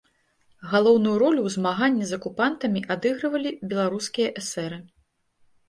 Галоўную ролю ў змаганні з акупантамі адыгрывалі беларускія эсэры.